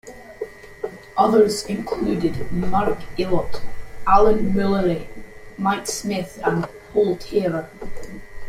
Others included Mark Ilott, Alan Mullally, Mike Smith and Paul Taylor.